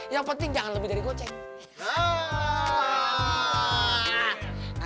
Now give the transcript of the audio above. yang penting jangan lebih dari gocek